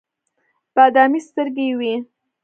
بادامي سترګې یې وې.